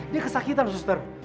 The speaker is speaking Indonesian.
dia kesakitan suster